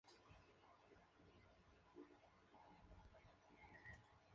Aguayo regresa vencido.